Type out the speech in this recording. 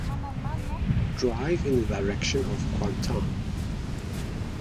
Drive in the direction of Kuantan.